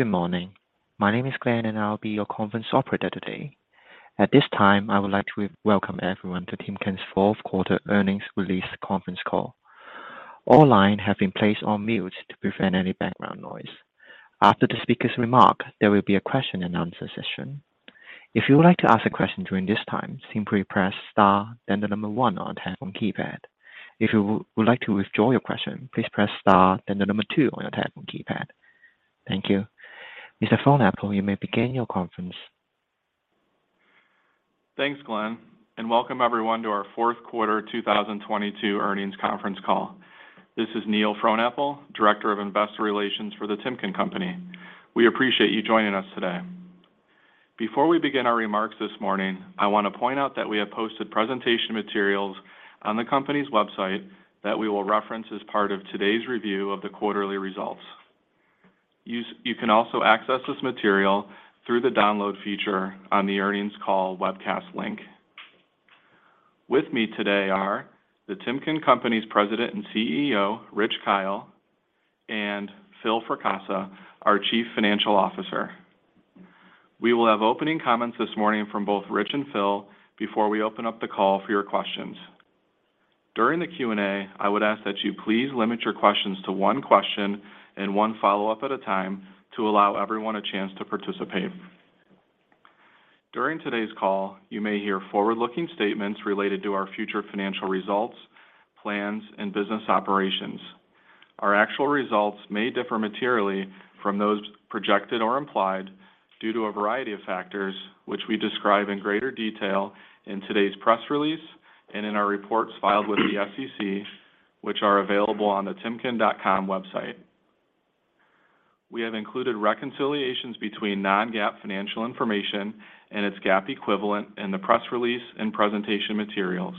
Good morning. My name is Glenn, and I'll be your conference operator today. At this time, I would like to welcome everyone to Timken's fourth quarter earnings release conference call. All lines have been placed on mute to prevent any background noise. After the speaker's remark, there will be a question-and-answer session. If you would like to ask a question during this time, simply press star, then the number one on your telephone keypad. If you would like to withdraw your question, please press star, then the number two on your telephone keypad. Thank you. Mr. Frohnapple, you may begin your conference. Thanks, Glenn, and welcome everyone to our fourth quarter 2022 earnings conference call. This is Neil Frohnapple, Director of Investor Relations for The Timken Company. We appreciate you joining us today. Before we begin our remarks this morning, I wanna point out that we have posted presentation materials on the company's website that we will reference as part of today's review of the quarterly results. You can also access this material through the Download feature on the earnings call webcast link. With me today are The Timken Company's President and CEO, Rich Kyle, and Phil Fracassa, our Chief Financial Officer. We will have opening comments this morning from both Rich and Phil before we open up the call for your questions. During the Q&A, I would ask that you please limit your questions to one question and one follow-up at a time to allow everyone a chance to participate. During today's call, you may hear forward-looking statements related to our future financial results, plans, and business operations. Our actual results may differ materially from those projected or implied due to a variety of factors, which we describe in greater detail in today's press release and in our reports filed with the SEC, which are available on the timken.com website. We have included reconciliations between non-GAAP financial information and its GAAP equivalent in the press release and presentation materials.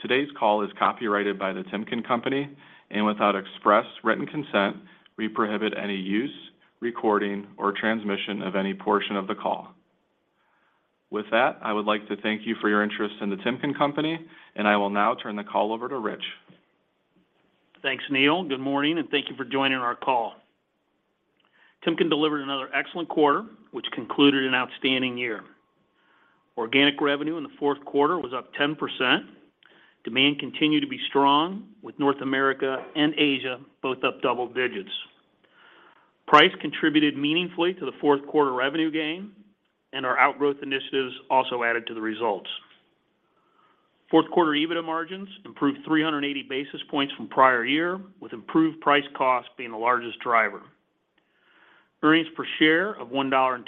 Today's call is copyrighted by The Timken Company, and without express written consent, we prohibit any use, recording, or transmission of any portion of the call. With that, I would like to thank you for your interest in The Timken Company. I will now turn the call over to Rich. Thanks, Neil. Good morning, thank you for joining our call. Timken delivered another excellent quarter, which concluded an outstanding year. Organic revenue in the fourth quarter was up 10%. Demand continued to be strong with North America and Asia both up double digits. Price contributed meaningfully to the fourth quarter revenue gain, and our outgrowth initiatives also added to the results. Fourth quarter EBITDA margins improved 380 basis points from prior year, with improved price-cost being the largest driver. Earnings per share of $1.22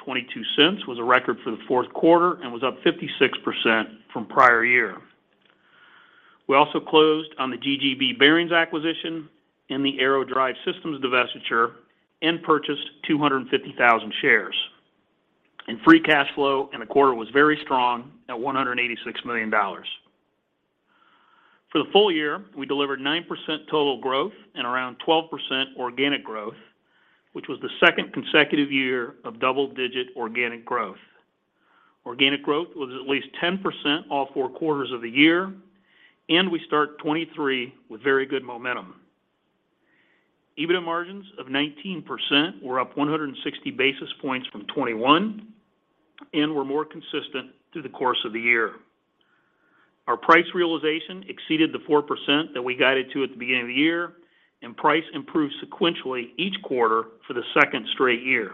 was a record for the fourth quarter and was up 56% from prior year. We also closed on the GGB Bearings acquisition and the Aerospace Drive Systems divestiture and purchased 250,000 shares. Free cash flow in the quarter was very strong at $186 million. For the full year, we delivered 9% total growth and around 12% organic growth, which was the second consecutive year of double-digit organic growth. Organic growth was at least 10% all four quarters of the year, and we start 2023 with very good momentum. EBITDA margins of 19% were up 160 basis points from 2021 and were more consistent through the course of the year. Our price realization exceeded the 4% that we guided to at the beginning of the year, and price improved sequentially each quarter for the second straight year.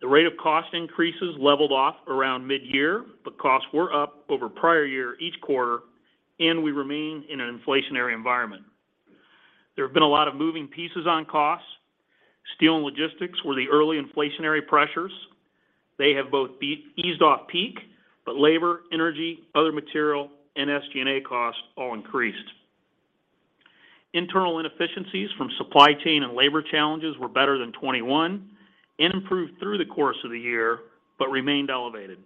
The rate of cost increases leveled off around mid-year, but costs were up over prior year each quarter, and we remain in an inflationary environment. There have been a lot of moving pieces on costs. Steel and logistics were the early inflationary pressures. They have both eased off peak. Labor, energy, other material, and SG&A costs all increased. Internal inefficiencies from supply chain and labor challenges were better than 2021 and improved through the course of the year but remained elevated.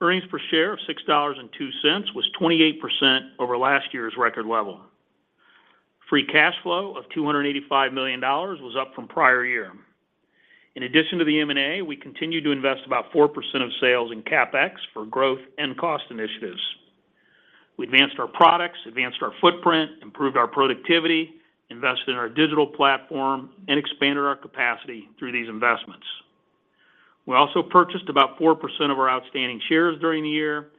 Earnings per share of $6.02 was 28% over last year's record level. Free cash flow of $285 million was up from prior year. In addition to the M&A, we continued to invest about 4% of sales in CapEx for growth and cost initiatives. We advanced our products, advanced our footprint, improved our productivity, invested in our digital platform, and expanded our capacity through these investments. We also purchased about 4% of our outstanding shares during the year.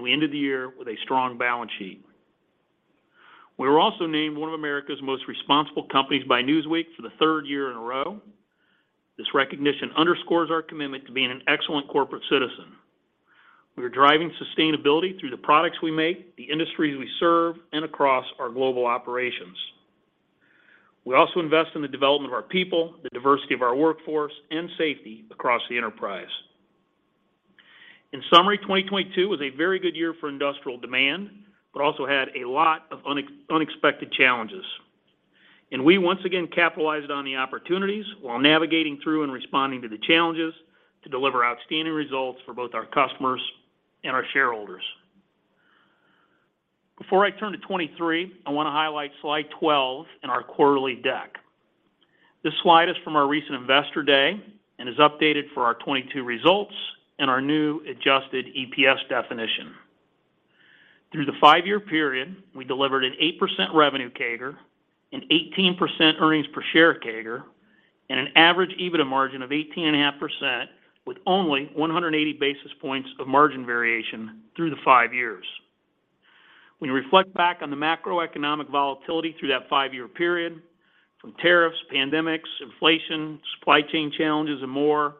We ended the year with a strong balance sheet. We were also named one of America's most responsible companies by Newsweek for the third year in a row. This recognition underscores our commitment to being an excellent corporate citizen. We are driving sustainability through the products we make, the industries we serve, and across our global operations. We also invest in the development of our people, the diversity of our workforce, and safety across the enterprise. In summary, 2022 was a very good year for industrial demand but also had a lot of unexpected challenges. We once again capitalized on the opportunities while navigating through and responding to the challenges to deliver outstanding results for both our customers and our shareholders. Before I turn to 2023, I wanna highlight slide 12 in our quarterly deck. This slide is from our recent Investor Day and is updated for our 2022 results and our new adjusted EPS definition. Through the five-year period, we delivered an 8% revenue CAGR, an 18% earnings per share CAGR, and an average EBITDA margin of 18.5%, with only 180 basis points of margin variation through the five years. When you reflect back on the macroeconomic volatility through that five-year period, from tariffs, pandemics, inflation, supply chain challenges, and more,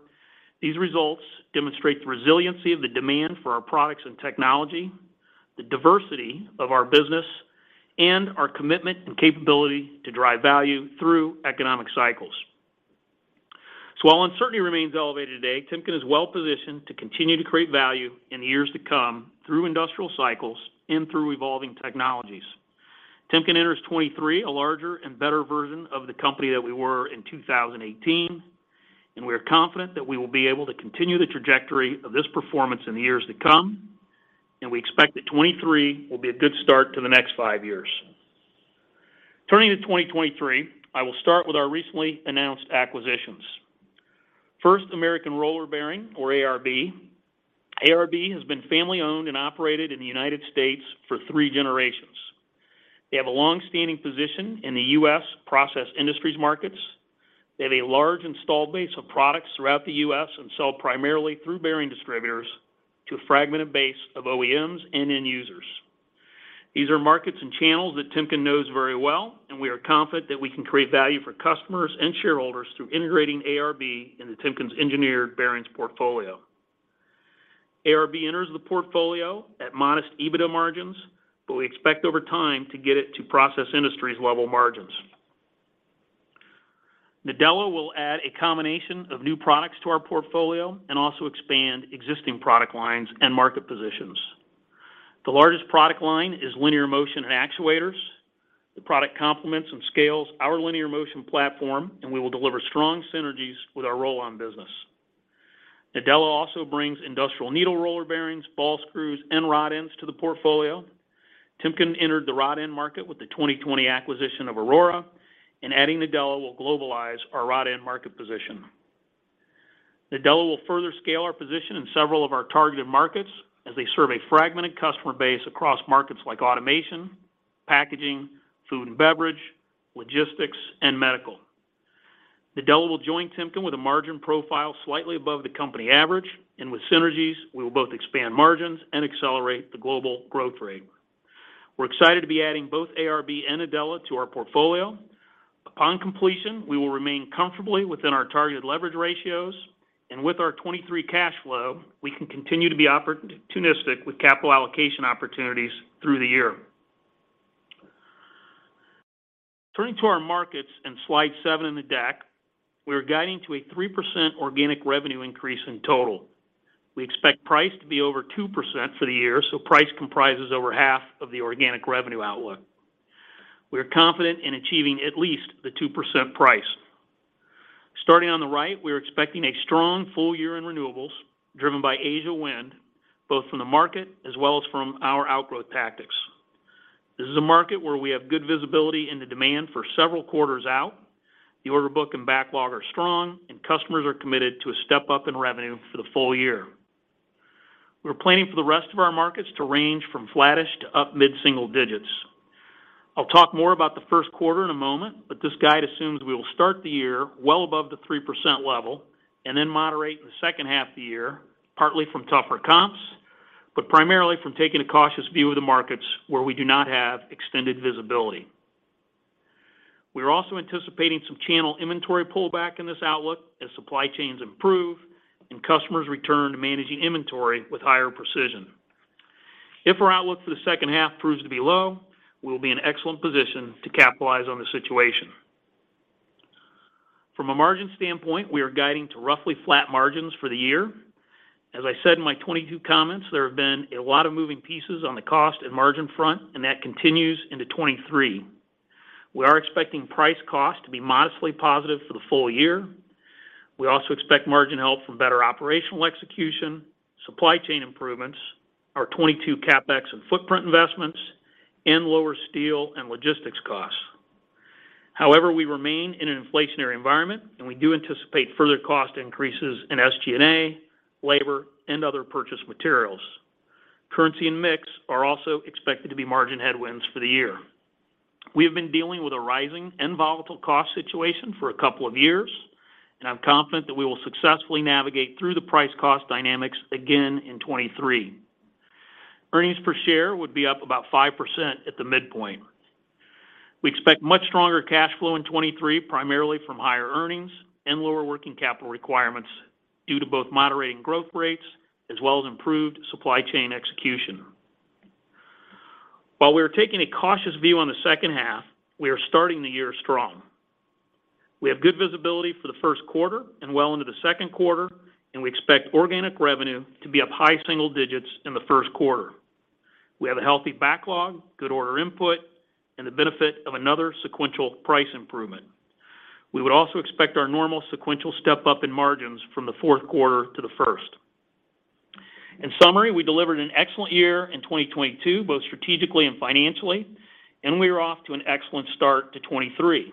these results demonstrate the resiliency of the demand for our products and technology, the diversity of our business, and our commitment and capability to drive value through economic cycles. While uncertainty remains elevated today, Timken is well positioned to continue to create value in years to come through industrial cycles and through evolving technologies. Timken enters 2023 a larger and better version of the company that we were in 2018. We are confident that we will be able to continue the trajectory of this performance in the years to come. We expect that 2023 will be a good start to the next five years. Turning to 2023, I will start with our recently announced acquisitions. First, American Roller Bearing, or ARB. ARB has been family owned and operated in the United States for three generations. They have a long-standing position in the U.S. Process Industries markets. They have a large installed base of products throughout the U.S. and sell primarily through bearing distributors to a fragmented base of OEMs and end users. These are markets and channels that Timken knows very well, and we are confident that we can create value for customers and shareholders through integrating ARB in Timken's engineered bearings portfolio. ARB enters the portfolio at modest EBITDA margins, but we expect over time to get it to Process Industries level margins. Nadella will add a combination of new products to our portfolio and also expand existing product lines and market positions. The largest product line is linear motion and actuators. The product complements and scales our linear motion platform, and we will deliver strong synergies with our Rollon business. Nadella also brings industrial needle roller bearings, ball screws, and rod ends to the portfolio. Timken entered the rod end market with the 2020 acquisition of Aurora, and adding Nadella will globalize our rod end market position. Nadella will further scale our position in several of our targeted markets as they serve a fragmented customer base across markets like automation, packaging, food and beverage, logistics, and medical. Nadella will join Timken with a margin profile slightly above the company average. With synergies, we will both expand margins and accelerate the global growth rate. We're excited to be adding both ARB and Nadella to our portfolio. Upon completion, we will remain comfortably within our targeted leverage ratios. With our 2023 cash flow, we can continue to be opportunistic with capital allocation opportunities through the year. Turning to our markets in slide seven in the deck, we are guiding to a 3% organic revenue increase in total. We expect price to be over 2% for the year. Price comprises over half of the organic revenue outlook. We are confident in achieving at least the 2% price. Starting on the right, we are expecting a strong full year in renewables driven by Asia wind, both from the market as well as from our outgrowth tactics. This is a market where we have good visibility into demand for several quarters out. The order book and backlog are strong. Customers are committed to a step-up in revenue for the full year. We're planning for the rest of our markets to range from flattish to up mid-single digits. I'll talk more about the first quarter in a moment. This guide assumes we will start the year well above the 3% level and then moderate in the second half of the year, partly from tougher comps, but primarily from taking a cautious view of the markets where we do not have extended visibility. We are also anticipating some channel inventory pullback in this outlook as supply chains improve and customers return to managing inventory with higher precision. If our outlook for the second half proves to be low, we will be in excellent position to capitalize on the situation. From a margin standpoint, we are guiding to roughly flat margins for the year. As I said in my 2022 comments, there have been a lot of moving pieces on the cost and margin front, and that continues into 2023. We are expecting price-cost to be modestly positive for the full year. We also expect margin help from better operational execution, supply chain improvements, our 2022 CapEx and footprint investments, and lower steel and logistics costs. However, we remain in an inflationary environment, and we do anticipate further cost increases in SG&A, labor, and other purchased materials. Currency and mix are also expected to be margin headwinds for the year. We have been dealing with a rising and volatile cost situation for a couple of years. I'm confident that we will successfully navigate through the price-cost dynamics again in 2023. Earnings per share would be up about 5% at the midpoint. We expect much stronger cash flow in 2023, primarily from higher earnings and lower working capital requirements due to both moderating growth rates as well as improved supply chain execution. While we are taking a cautious view on the second half, we are starting the year strong. We have good visibility for the first quarter and well into the second quarter. We expect organic revenue to be up high single digits in the first quarter. We have a healthy backlog, good order input, and the benefit of another sequential price improvement. We would also expect our normal sequential step-up in margins from the fourth quarter to the first. In summary, we delivered an excellent year in 2022, both strategically and financially. We are off to an excellent start to 2023.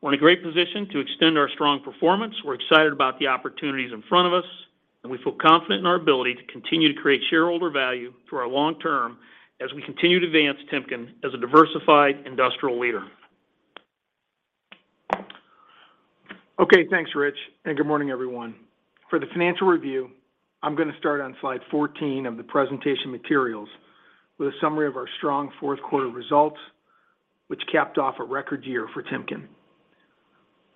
We're in a great position to extend our strong performance. We're excited about the opportunities in front of us. We feel confident in our ability to continue to create shareholder value for our long term as we continue to advance Timken as a diversified industrial leader. Okay, thanks, Rich. Good morning, everyone. For the financial review, I'm gonna start on slide 14 of the presentation materials with a summary of our strong fourth quarter results, which capped off a record year for Timken.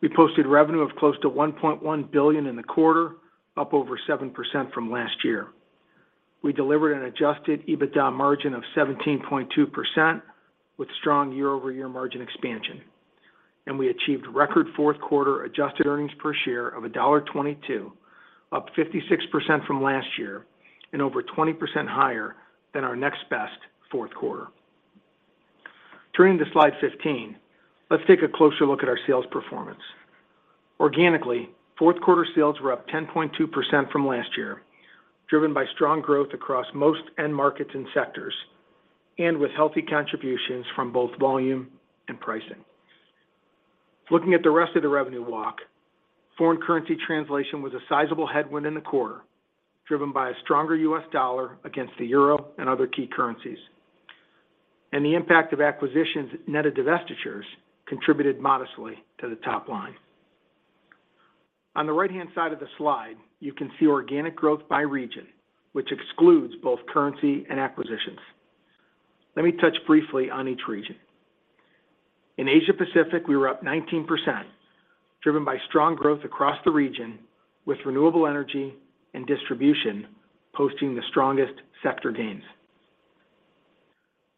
We posted revenue of close to $1.1 billion in the quarter, up over 7% from last year. We delivered an adjusted EBITDA margin of 17.2% with strong year-over-year margin expansion. We achieved record fourth quarter adjusted earnings per share of $1.22, up 56% from last year and over 20% higher than our next best fourth quarter. Turning to slide 15, let's take a closer look at our sales performance. Organically, fourth quarter sales were up 10.2% from last year, driven by strong growth across most end markets and sectors and with healthy contributions from both volume and pricing. Looking at the rest of the revenue walk, foreign currency translation was a sizable headwind in the quarter, driven by a stronger US dollar against the euro and other key currencies. The impact of acquisitions net of divestitures contributed modestly to the top line. On the right-hand side of the slide, you can see organic growth by region, which excludes both currency and acquisitions. Let me touch briefly on each region. In Asia Pacific, we were up 19%, driven by strong growth across the region, with renewable energy and distribution posting the strongest sector gains.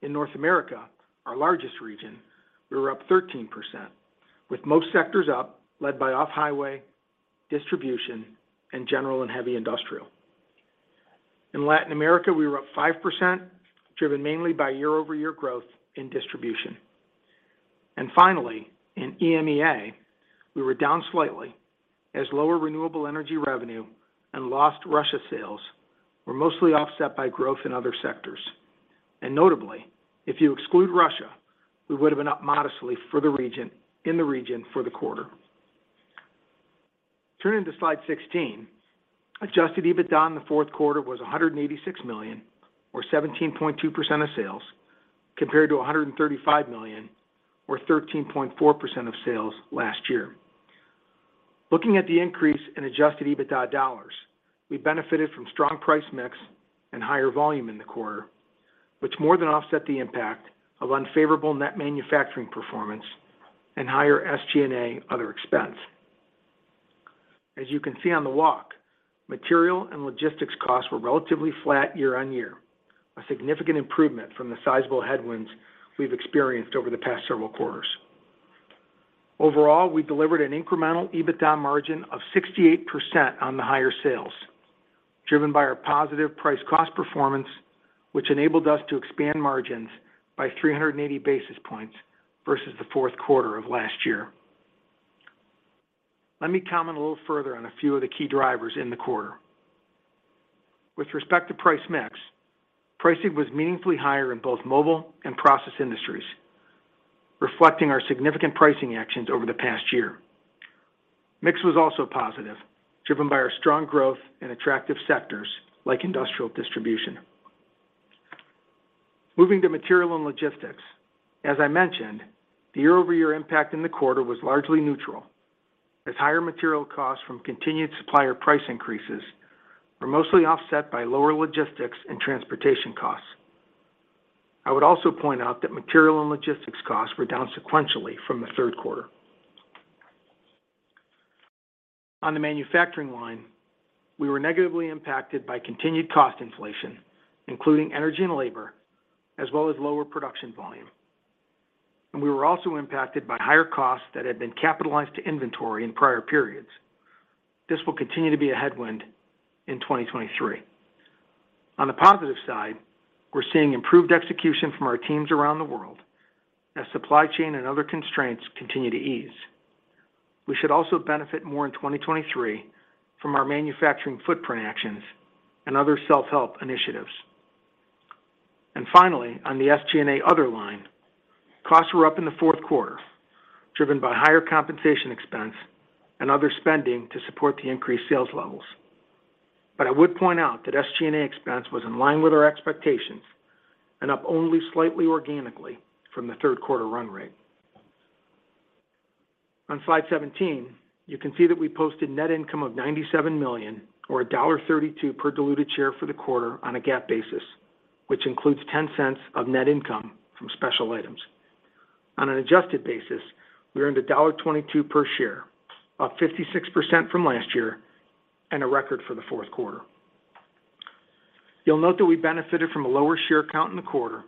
In North America, our largest region, we were up 13%, with most sectors up led by off-highway, distribution, and general and heavy industrial. In Latin America, we were up 5%, driven mainly by year-over-year growth in distribution. Finally, in EMEA, we were down slightly as lower renewable energy revenue and lost Russia sales were mostly offset by growth in other sectors. Notably, if you exclude Russia, we would've been up modestly in the region for the quarter. Turning to slide 16. Adjusted EBITDA in the fourth quarter was $186 million or 17.2% of sales, compared to $135 million or 13.4% of sales last year. Looking at the increase in Adjusted EBITDA dollars, we benefited from strong price mix and higher volume in the quarter, which more than offset the impact of unfavorable net manufacturing performance and higher SG&A other expense. As you can see on the walk, material and logistics costs were relatively flat year-on-year, a significant improvement from the sizable headwinds we've experienced over the past several quarters. Overall, we delivered an incremental EBITDA margin of 68% on the higher sales, driven by our positive price-cost performance, which enabled us to expand margins by 380 basis points versus the fourth quarter of last year. Let me comment a little further on a few of the key drivers in the quarter. With respect to price mix, pricing was meaningfully higher in both Mobile Industries and Process Industries, reflecting our significant pricing actions over the past year. Mix was also positive, driven by our strong growth in attractive sectors like industrial distribution. Moving to material and logistics. As I mentioned, the year-over-year impact in the quarter was largely neutral, as higher material costs from continued supplier price increases were mostly offset by lower logistics and transportation costs. I would also point out that material and logistics costs were down sequentially from the third quarter. On the manufacturing line, we were negatively impacted by continued cost inflation, including energy and labor, as well as lower production volume. We were also impacted by higher costs that had been capitalized to inventory in prior periods. This will continue to be a headwind in 2023. On the positive side, we're seeing improved execution from our teams around the world as supply chain and other constraints continue to ease. We should also benefit more in 2023 from our manufacturing footprint actions and other self-help initiatives. Finally, on the SG&A other line, costs were up in the fourth quarter, driven by higher compensation expense and other spending to support the increased sales levels. I would point out that SG&A expense was in line with our expectations and up only slightly organically from the third quarter run rate. On slide 17, you can see that we posted net income of $97 million or $1.32 per diluted share for the quarter on a GAAP basis, which includes $0.10 of net income from special items. On an adjusted basis, we earned $1.22 per share, up 56% from last year and a record for the fourth quarter. You'll note that we benefited from a lower share count in the quarter,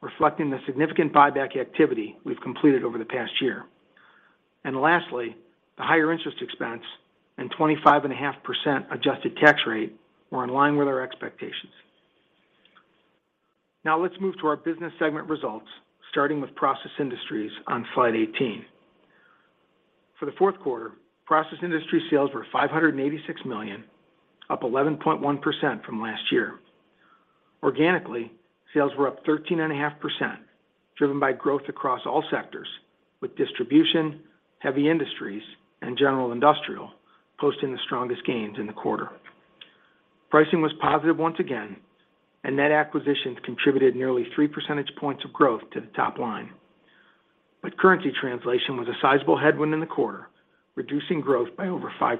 reflecting the significant buyback activity we've completed over the past year. Lastly, the higher interest expense and 25 and a half % adjusted tax rate were in line with our expectations. Let's move to our business segment results, starting with Process Industries on slide 18. For the fourth quarter, Process Industries sales were $586 million, up 11.1% from last year. Organically, sales were up 13 and a half % driven by growth across all sectors with distribution, heavy industries, and general industrial posting the strongest gains in the quarter. Pricing was positive once again, and net acquisitions contributed nearly three percentage points of growth to the top line. Currency translation was a sizable headwind in the quarter, reducing growth by over 5%.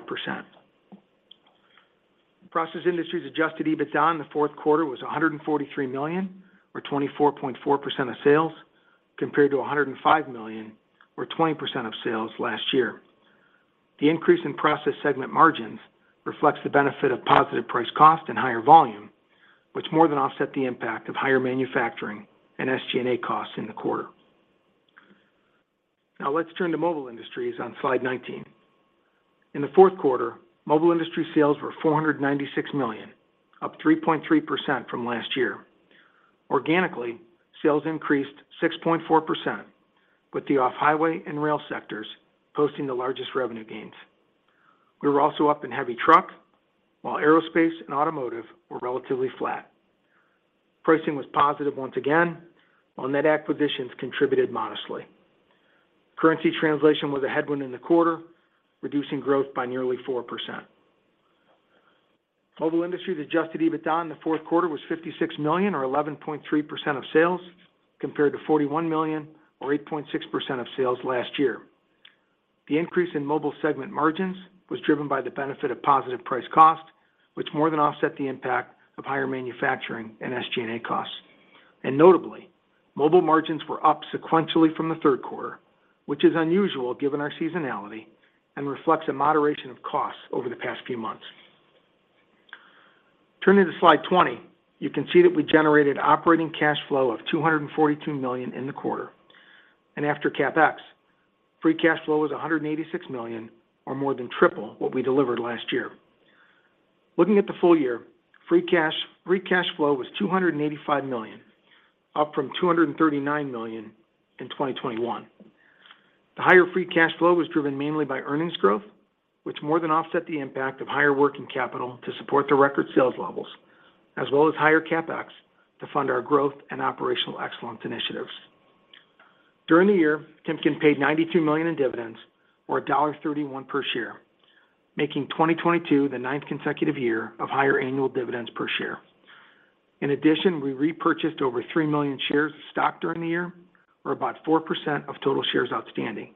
Process Industries adjusted EBITDA in the fourth quarter was $143 million or 24.4% of sales, compared to $105 million or 20% of sales last year. The increase in process segment margins reflects the benefit of positive price-cost and higher volume, which more than offset the impact of higher manufacturing and SG&A costs in the quarter. Let's turn to Mobile Industries on slide 19. In the fourth quarter, Mobile Industries sales were $496 million, up 3.3% from last year. Organically, sales increased 6.4%, with the off-highway and rail sectors posting the largest revenue gains. We were also up in heavy truck, while aerospace and automotive were relatively flat. Pricing was positive once again, while net acquisitions contributed modestly. Currency translation was a headwind in the quarter, reducing growth by nearly 4%. Mobile Industries adjusted EBITDA in the fourth quarter was $56 million or 11.3% of sales, compared to $41 million or 8.6% of sales last year. The increase in Mobile segment margins was driven by the benefit of positive price-cost, which more than offset the impact of higher manufacturing and SG&A costs. Notably, Mobile margins were up sequentially from the third quarter, which is unusual given our seasonality and reflects a moderation of costs over the past few months. Turning to slide 20, you can see that we generated operating cash flow of $242 million in the quarter. After CapEx, free cash flow was $186 million or more than triple what we delivered last year. Looking at the full year, free cash flow was $285 million, up from $239 million in 2021. The higher free cash flow was driven mainly by earnings growth, which more than offset the impact of higher working capital to support the record sales levels, as well as higher CapEx to fund our growth and operational excellence initiatives. During the year, Timken paid $92 million in dividends or $1.31 per share, making 2022 the ninth consecutive year of higher annual dividends per share. In addition, we repurchased over three million shares of stock during the year or about 4% of total shares outstanding,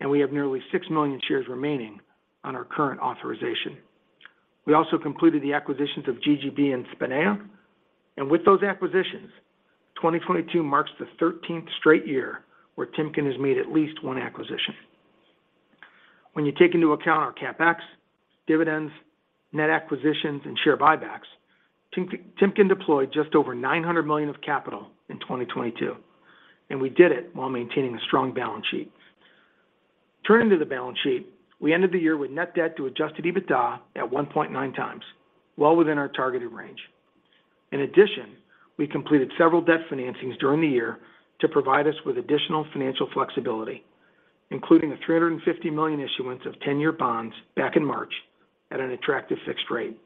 and we have nearly six million shares remaining on our current authorization. We also completed the acquisitions of GGB and Spinea. With those acquisitions, 2022 marks the 13th straight year where Timken has made at least one acquisition. When you take into account our CapEx, dividends, net acquisitions, and share buybacks, Timken deployed just over $900 million of capital in 2022, and we did it while maintaining a strong balance sheet. Turning to the balance sheet, we ended the year with net debt to adjusted EBITDA at 1.9 times, well within our targeted range. In addition, we completed several debt financings during the year to provide us with additional financial flexibility, including a $350 million issuance of 10-year bonds back in March at an attractive fixed rate.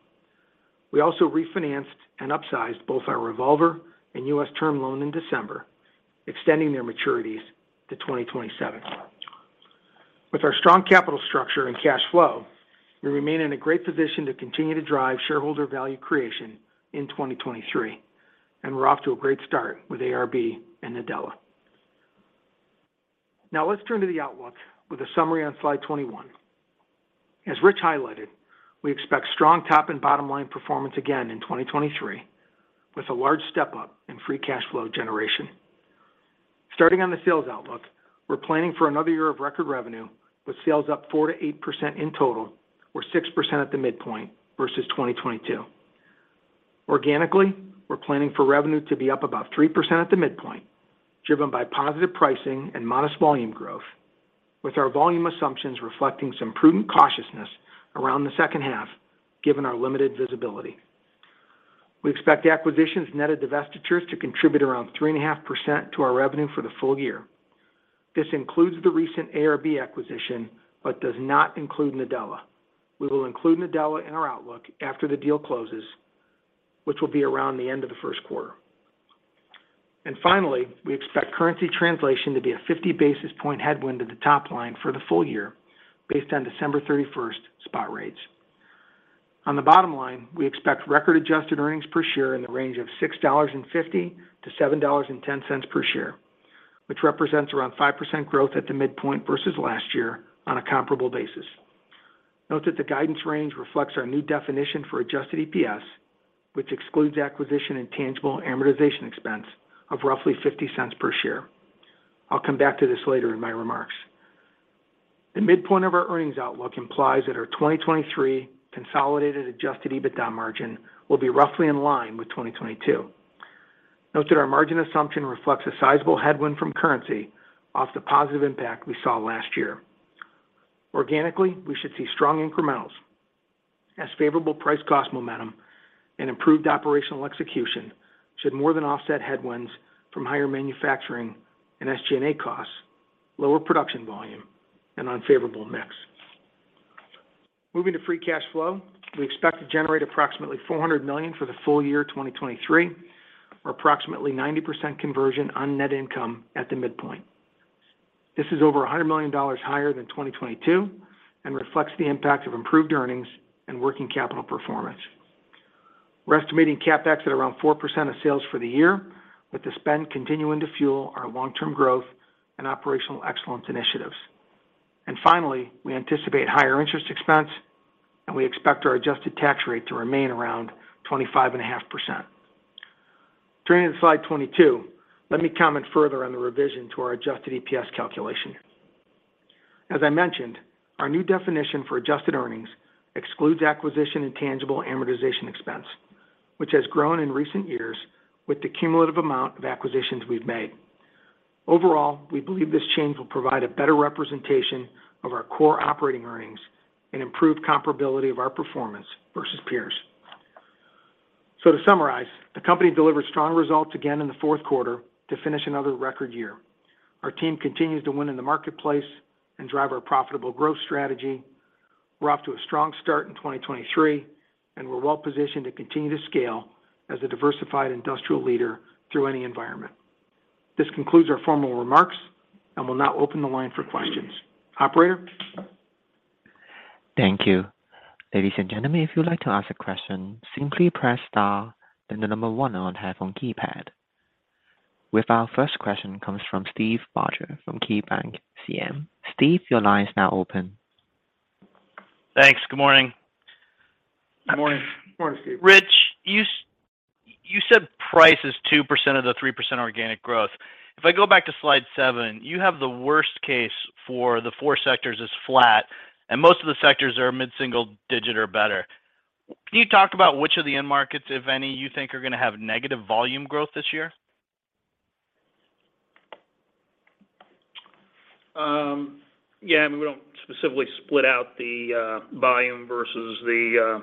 We also refinanced and upsized both our revolver and U.S. term loan in December, extending their maturities to 2027. With our strong capital structure and cash flow, we remain in a great position to continue to drive shareholder value creation in 2023, we're off to a great start with ARB and Nadella. Let's turn to the outlook with a summary on slide 21. As Rich highlighted, we expect strong top and bottom line performance again in 2023, with a large step-up in free cash flow generation. Starting on the sales outlook, we're planning for another year of record revenue, with sales up 4%-8% in total or 6% at the midpoint versus 2022. Organically, we're planning for revenue to be up about 3% at the midpoint, driven by positive pricing and modest volume growth, with our volume assumptions reflecting some prudent cautiousness around the second half, given our limited visibility. We expect acquisitions net of divestitures to contribute around 3.5% to our revenue for the full year. This includes the recent ARB acquisition but does not include Nadella. We will include Nadella in our outlook after the deal closes, which will be around the end of the first quarter. Finally, we expect currency translation to be a 50 basis point headwind at the top line for the full year based on December 31st spot rates. On the bottom line, we expect record adjusted EPS in the range of $6.50-$7.10 per share, which represents around 5% growth at the midpoint versus last year on a comparable basis. Note that the guidance range reflects our new definition for adjusted EPS, which excludes acquisition intangible amortization expense of roughly $0.50 per share. I'll come back to this later in my remarks. The midpoint of our earnings outlook implies that our 2023 consolidated adjusted EBITDA margin will be roughly in line with 2022. Note that our margin assumption reflects a sizable headwind from currency off the positive impact we saw last year. Organically, we should see strong incrementals as favorable price-cost momentum and improved operational execution should more than offset headwinds from higher manufacturing and SG&A costs, lower production volume, and unfavorable mix. Moving to free cash flow. We expect to generate approximately $400 million for the full year 2023, or approximately 90% conversion on net income at the midpoint. This is over $100 million higher than 2022 and reflects the impact of improved earnings and working capital performance. We're estimating CapEx at around 4% of sales for the year, with the spend continuing to fuel our long-term growth and operational excellence initiatives. Finally, we anticipate higher interest expense, and we expect our adjusted tax rate to remain around 25.5%. Turning to slide 22, let me comment further on the revision to our adjusted EPS calculation. As I mentioned, our new definition for adjusted earnings excludes acquisition and tangible amortization expense, which has grown in recent years with the cumulative amount of acquisitions we've made. Overall, we believe this change will provide a better representation of our core operating earnings and improve comparability of our performance versus peers. To summarize, the company delivered strong results again in the fourth quarter to finish another record year. Our team continues to win in the marketplace and drive our profitable growth strategy. We're off to a strong start in 2023, and we're well positioned to continue to scale as a diversified industrial leader through any environment. This concludes our formal remarks, and we'll now open the line for questions. Operator? Thank you. Ladies and gentlemen, if you'd like to ask a question, simply press star, then one on phone keypad. With our first question comes from Steve Barger from KeyBanc CM. Steve, your line is now open. Thanks. Good morning. Good morning. Good morning, Steve. Rich, you said price is 2% of the 3% organic growth. If I go back to slide seven, you have the worst case for the four sectors is flat, and most of the sectors are mid-single digit or better. Can you talk about which of the end markets, if any, you think are gonna have negative volume growth this year? Yeah, I mean, we don't specifically split out the volume versus the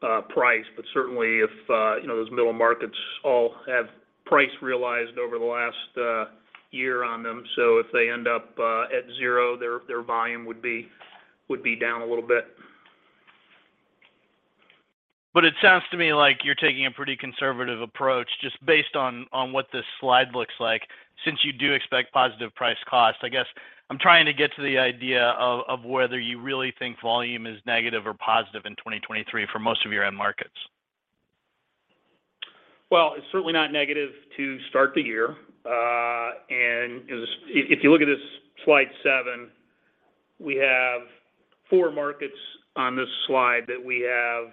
price. Certainly if, you know, those middle markets all have price realized over the last year on them. If they end up, at zero, their volume would be down a little bit. It sounds to me like you're taking a pretty conservative approach just based on what this slide looks like, since you do expect positive price-cost. I guess I'm trying to get to the idea of whether you really think volume is negative or positive in 2023 for most of your end markets? Well, it's certainly not negative to start the year. If you look at this slide seven, we have four markets on this slide that we have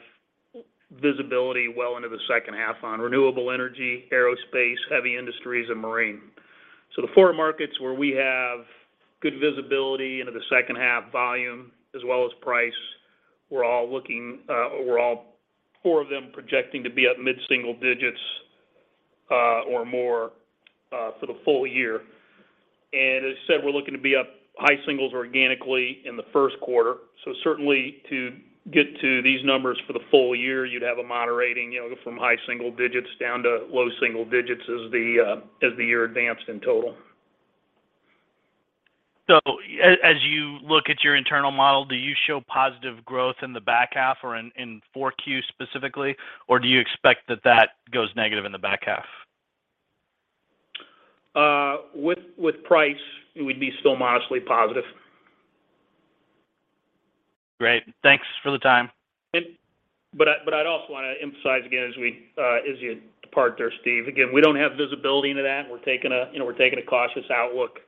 visibility well into the second half on: renewable energy, aerospace, heavy industries, and marine. The four markets where we have good visibility into the second half volume as well as price, we're all overall four of them projecting to be up mid-single digits or more for the full year. As I said, we're looking to be up high singles organically in the first quarter. Certainly to get to these numbers for the full year, you'd have a moderating, you know, from high single digits down to low single digits as the year advanced in total. As you look at your internal model, do you show positive growth in the back half or in 4Q specifically, or do you expect that that goes negative in the back half? With price, we'd be still modestly positive. Great. Thanks for the time. I'd also wanna emphasize again, as we, as you depart there, Steve, again, we don't have visibility into that and we're taking a, you know, cautious outlook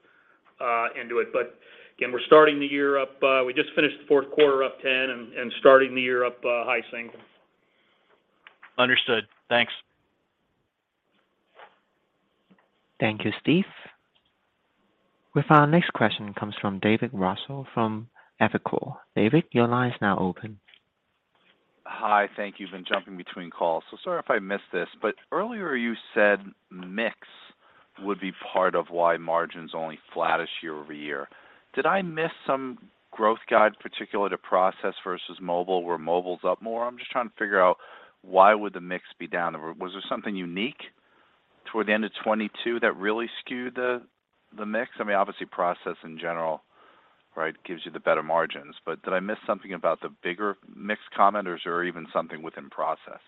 into it. Again, we're starting the year up. We just finished the fourth quarter up 10 and starting the year up, high singles. Understood. Thanks. Thank you, Steve. Our next question comes from David Raso from Evercore ISI. David, your line is now open. Hi. Thank you. Been jumping between calls, so sorry if I missed this. Earlier you said mix would be part of why margins only flattish year-over-year. Did I miss some growth guide particular to Process versus Mobile, where Mobile's up more? I'm just trying to figure out why would the mix be down or was there something unique toward the end of 2022 that really skewed the mix? I mean, obviously Process in general, right, gives you the better margins. Did I miss something about the bigger mix comment or is there even something within Process?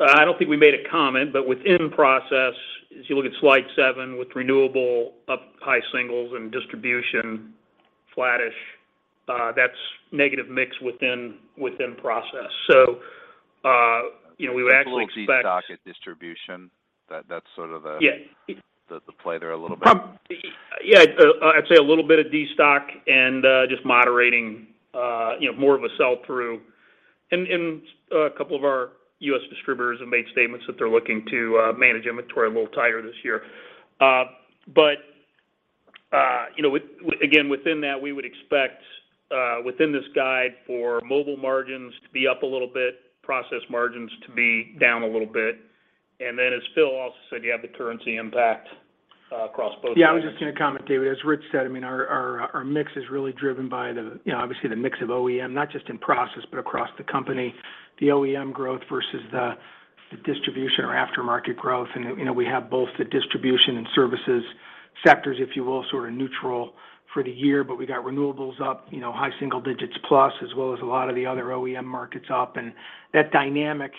I don't think we made a comment. Within Process, as you look at slide seven, with renewable up high singles and distribution flattish, that's negative mix within Process. You know, we would actually It's a little destock at distribution. That's sort of the. Yeah. The play there a little bit. I'd say a little bit of destock and just moderating, you know, more of a sell-through. A couple of our U.S. distributors have made statements that they're looking to manage inventory a little tighter this year. But again, within that, we would expect within this guide for Mobile margins to be up a little bit, Process margins to be down a little bit. As Phil also said, you have the currency impact across both. Yeah, I was just gonna comment, David Raso. As Rich Kyle said, I mean, our mix is really driven by the, you know, obviously the mix of OEM, not just in Process, but across the company. The OEM growth versus the distribution or aftermarket growth. You know, we have both the distribution and services. Sectors, if you will, sort of neutral for the year, but we got renewables up, you know, high single digits +, as well as a lot of the other OEM markets up. That dynamic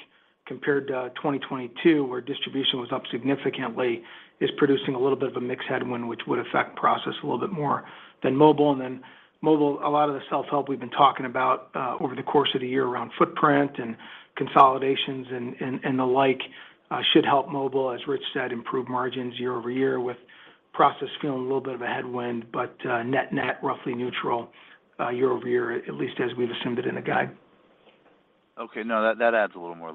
compared to 2022, where distribution was up significantly, is producing a little bit of a mix headwind, which would affect Process a little bit more than Mobile. Mobile, a lot of the self-help we've been talking about, over the course of the year around footprint and consolidations and the like, should help Mobile, as Rich said, improve margins year-over-year, with Process feeling a little bit of a headwind, net-net, roughly neutral, year-over-year, at least as we've assumed it in the guide. Okay. No, that adds a little more,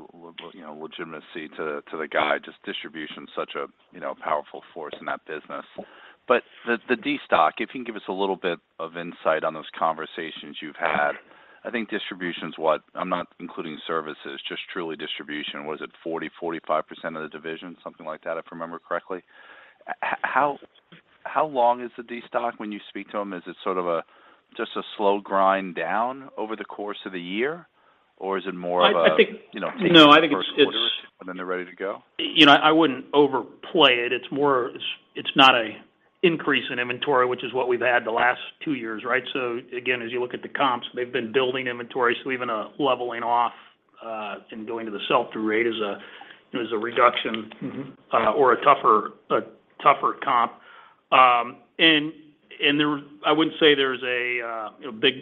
you know, legitimacy to the guide. Just distribution is such a, you know, powerful force in that business. The destock, if you can give us a little bit of insight on those conversations you've had. I think distribution's what... I'm not including services, just truly distribution. Was it 40-45% of the division? Something like that, if I remember correctly. How long is the destock when you speak to them? Is it sort of a just a slow grind down over the course of the year? Or is it more of. I think-. You know- No, I think it's- They're ready to go? You know, I wouldn't overplay it. It's not a increase in inventory, which is what we've had the last two years, right? Again, as you look at the comps, they've been building inventory. Even a leveling off, and going to the self-through rate is a reduction. Mm-hmm... or a tougher comp. I wouldn't say there's a big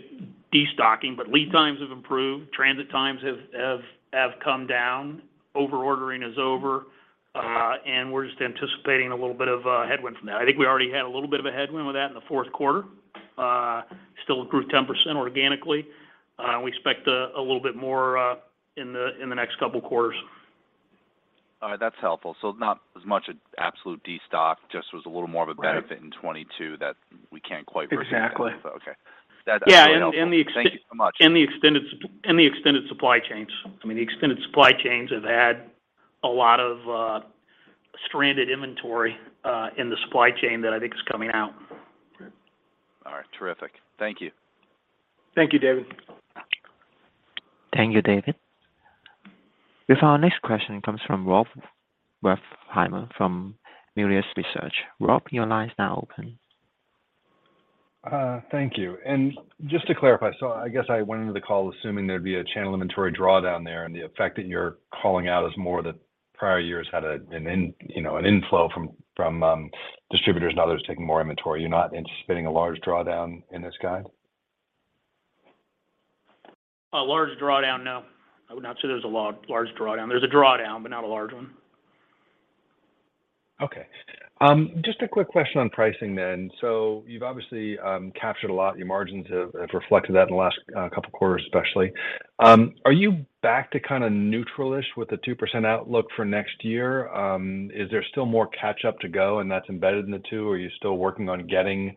destocking, but lead times have improved. Transit times have come down. Over-ordering is over. We're just anticipating a little bit of a headwind from that. I think we already had a little bit of a headwind with that in the fourth quarter. Still grew 10% organically. We expect a little bit more in the next couple quarters. All right. That's helpful. Not as much absolute destock, just was a little more of a. Right... benefit in 2022 that we can't... Exactly. Okay. That's helpful. Yeah. Thank you so much. The extended supply chains. I mean, the extended supply chains have had a lot of stranded inventory in the supply chain that I think is coming out. All right. Terrific. Thank you. Thank you, David. Thank you, David. With our next question comes from Rob Wertheimer from Melius Research. Rob, your line is now open. Thank you. Just to clarify, so I guess I went into the call assuming there'd be a channel inventory drawdown there, and the effect that you're calling out is more that prior years had an inflow from, you know, distributors and others taking more inventory. You're not anticipating a large drawdown in this guide? A large drawdown? No. I would not say there's a large drawdown. There's a drawdown, but not a large one. Okay. Just a quick question on pricing then. You've obviously captured a lot. Your margins have reflected that in the last couple quarters, especially. Are you back to kinda neutral-ish with the 2% outlook for next year? Is there still more catch-up to go and that's embedded in the two? Are you still working on getting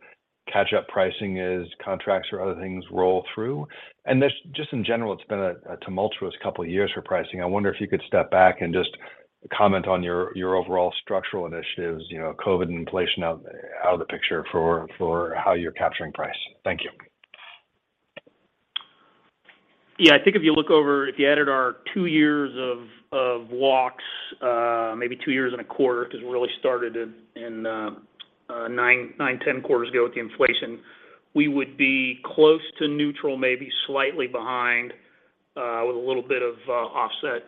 catch-up pricing as contracts or other things roll through? Just in general, it's been a tumultuous couple of years for pricing. I wonder if you could step back and just comment on your overall structural initiatives, you know, COVID and inflation out of the picture for how you're capturing price. Thank you. I think if you added our two years of walks, maybe two years and a quarter, because it really started in nine-10 quarters ago with the inflation, we would be close to neutral, maybe slightly behind, with a little bit of offset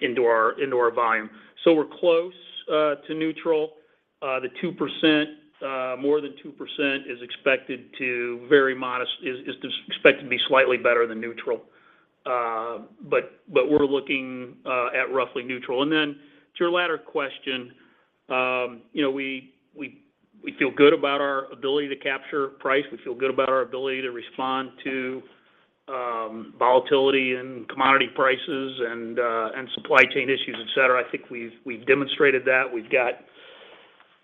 into our volume. We're close to neutral. The 2%, more than 2% is expected to very modest, is expected to be slightly better than neutral. We're looking at roughly neutral. Then to your latter question, you know, we feel good about our ability to capture price. We feel good about our ability to respond to volatility in commodity prices and supply chain issues, et cetera. I think we've demonstrated that. We've got,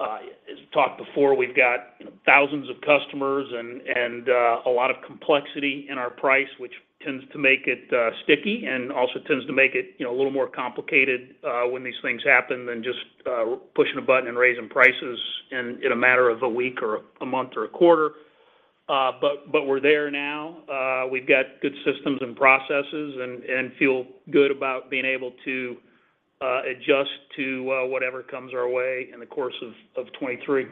as we talked before, we've got thousands of customers and a lot of complexity in our price, which tends to make it sticky and also tends to make it, you know, a little more complicated, when these things happen than just pushing a button and raising prices in a matter of a week or a month or a quarter. We're there now. We've got good systems and processes and feel good about being able to adjust to whatever comes our way in the course of 2023.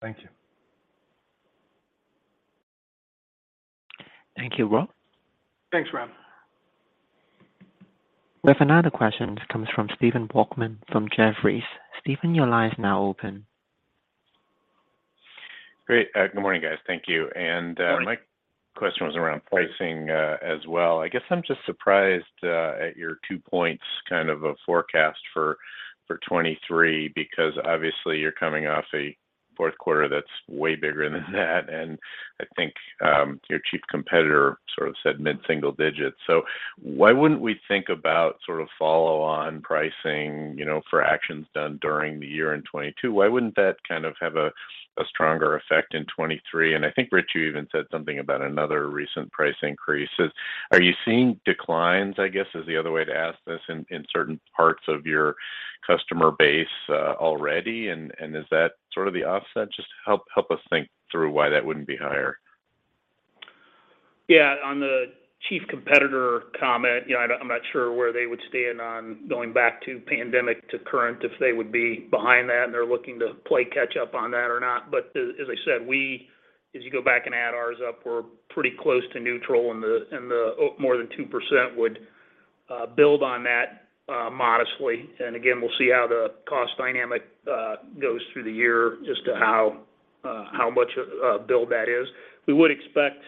Thank you. Thank you, Rob. Thanks, Rob. We have another question. This comes from Stephen Volkmann from Jefferies. Stephen, your line is now open. Great. good morning, guys. Thank you. Good morning. My question was around pricing as well. I guess I'm just surprised at your two points kind of a forecast for 2023, because obviously you're coming off a fourth quarter that's way bigger than that. I think your chief competitor sort of said mid-single digits. Why wouldn't we think about sort of follow on pricing, you know, for actions done during the year in 2022? Why wouldn't that kind of have a stronger effect in 2023? I think, Rich, you even said something about another recent price increase. Are you seeing declines, I guess, is the other way to ask this, in certain parts of your customer base already? Is that sort of the offset? Just help us think through why that wouldn't be higher. Yeah, on the chief competitor comment, you know, I'm not sure where they would stand on going back to pandemic to current if they would be behind that and they're looking to play catch up on that or not. As I said, as you go back and add ours up, we're pretty close to neutral and the more than 2% would build on that modestly. Again, we'll see how the cost dynamic goes through the year just to how much of a build that is. We would expect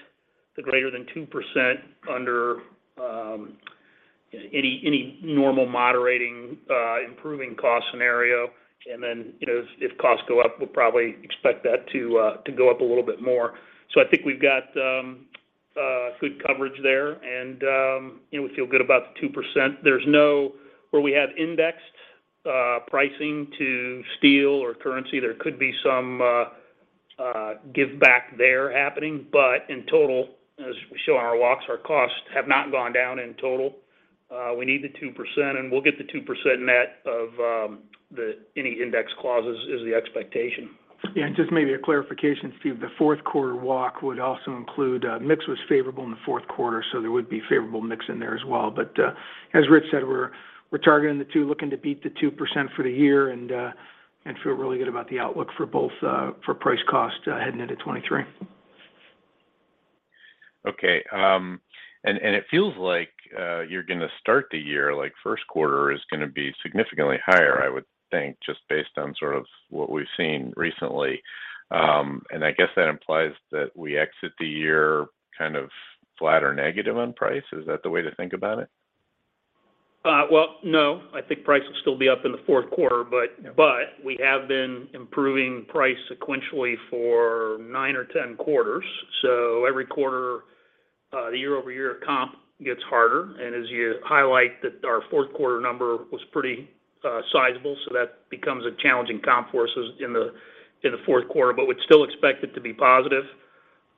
the greater than 2% under any normal moderating improving cost scenario. You know, if costs go up, we'll probably expect that to go up a little bit more. I think we've got good coverage there and, you know, we feel good about the 2%. Where we have indexed pricing to steel or currency, there could be some giveback there happening. In total, as we show on our walks, our costs have not gone down in total. We need the 2%, and we'll get the 2% net of the any index clauses is the expectation. Yeah. Just maybe a clarification, Steve, the fourth quarter walk would also include, mix was favorable in the fourth quarter, so there would be favorable mix in there as well. As Rich said, we're targeting the two, looking to beat the 2% for the year and feel really good about the outlook for both, for price-cost, heading into 2023. Okay. It feels like you're gonna start the year, like, first quarter is gonna be significantly higher, I would think, just based on what we've seen recently. I guess that implies that we exit the year kind of flat or negative on price. Is that the way to think about it? Well, no, I think price will still be up in the fourth quarter. Yeah. We have been improving price sequentially for nine or 10 quarters. Every quarter, the year-over-year comp gets harder. As you highlight that our fourth quarter number was pretty sizable, so that becomes a challenging comp for us in the fourth quarter. We'd still expect it to be positive.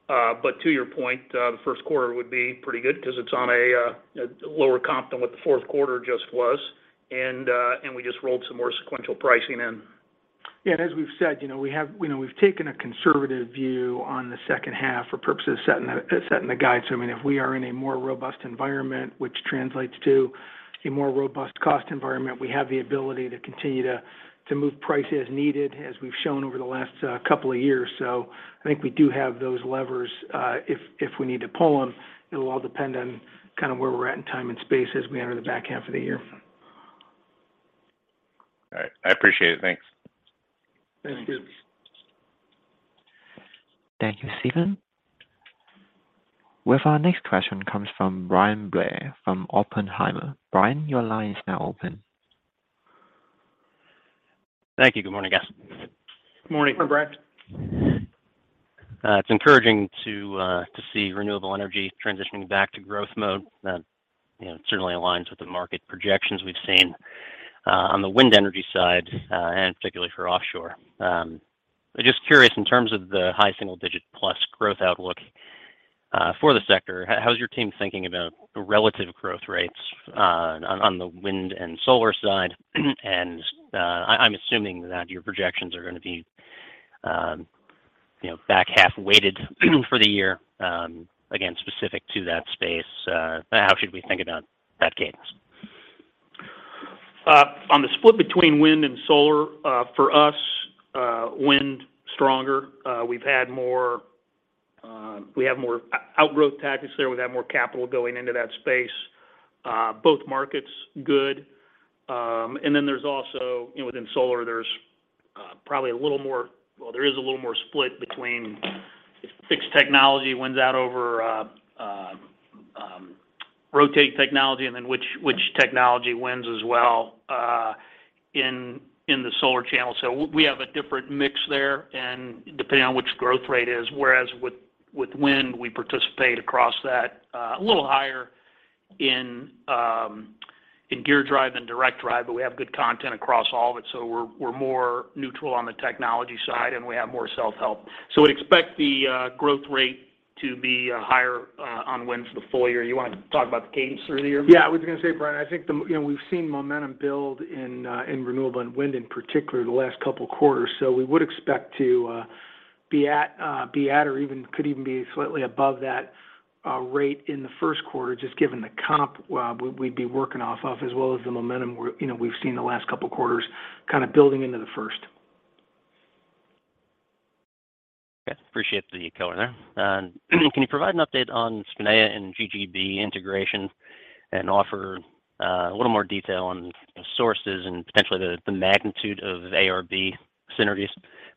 To your point, the first quarter would be pretty good 'cause it's on a, you know, lower comp than what the fourth quarter just was. We just rolled some more sequential pricing in. Yeah. As we've said, you know, we've taken a conservative view on the second half for purposes of setting the, setting the guide. So, I mean, if we are in a more robust environment, which translates to a more robust cost environment, we have the ability to continue to move price as needed as we've shown over the last couple of years. So I think we do have those levers, if we need to pull them. It'll all depend on kind of where we're at in time and space as we enter the back half of the year. All right. I appreciate it. Thanks. Thank you. Thanks. Thank you, Stephen. With our next question comes from Bryan Blair from Oppenheimer. Bryan, your line is now open. Thank you. Good morning, guys. Good morning. Good morning. It's encouraging to see renewable energy transitioning back to growth mode. That, you know, certainly aligns with the market projections we've seen on the wind energy side, and particularly for offshore. Just curious in terms of the high single-digit plus growth outlook for the sector, how's your team thinking about relative growth rates on the wind and solar side? I'm assuming that your projections are gonna be, you know, back half-weighted for the year, again, specific to that space. How should we think about that cadence? On the split between wind and solar, for us, wind stronger. We've had more, we have more outgrowth package there. We've had more capital going into that space. Both markets good. And then there's also, you know, within solar, there's probably a little more. Well, there is a little more split between if fixed technology wins out over rotating technology, and then which technology wins as well in the solar channel. We have a different mix there, and depending on which growth rate is. Whereas with wind, we participate across that, a little higher in gear drive and direct drive, but we have good content across all of it. We're, we're more neutral on the technology side, and we have more self-help. We'd expect the growth rate to be higher on wind for the full year. You wanna talk about the cadence through the year? Yeah. I was gonna say, Bryan, I think the... You know, we've seen momentum build in renewable and wind in particular the last couple of quarters. We would expect to be at or could even be slightly above that rate in the first quarter, just given the comp we'd be working off of, as well as the momentum you know, we've seen the last couple of quarters kind of building into the first. Okay. Appreciate the color there. Can you provide an update on Spinea and GGB integration and offer a little more detail on sources and potentially the magnitude of ARB synergies?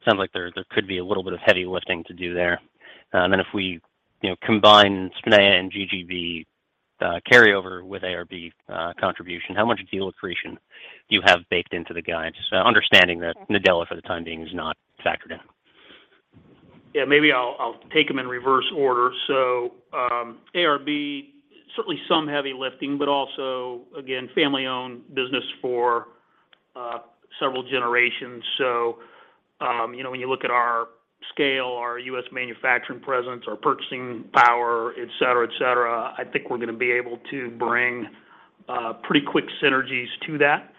Sounds like there could be a little bit of heavy lifting to do there. If we, you know, combine Spinea and GGB, carryover with ARB, contribution, how much deal accretion do you have baked into the guidance? Understanding that Nadella for the time being is not factored in. Maybe I'll take them in reverse order. ARB, certainly some heavy lifting, but also again, family-owned business for several generations. you know, when you look at our scale, our U.S. manufacturing presence, our purchasing power, et cetera, et cetera, I think we're gonna be able to bring pretty quick synergies to that.